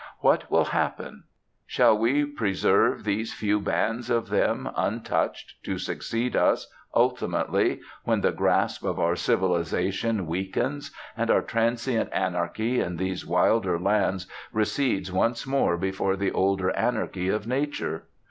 What will happen? Shall we preserve these few bands of them, untouched, to succeed us, ultimately, when the grasp of our 'civilisation' weakens, and our transient anarchy in these wilder lands recedes once more before the older anarchy of Nature?